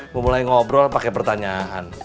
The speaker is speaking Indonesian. mau mulai ngobrol pake pertanyaan